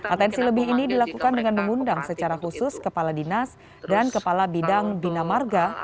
atensi lebih ini dilakukan dengan mengundang secara khusus kepala dinas dan kepala bidang bina marga